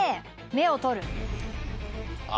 芽を取る！